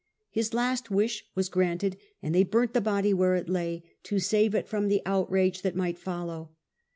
His last wish was granted, and they burnt the body where it lay, to save it from the outrage that might follow.